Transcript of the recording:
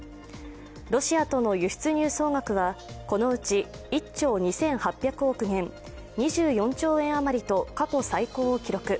ロシアとの輸出入総額はこのうち１兆２８００億元２４兆円余りと過去最高を記録。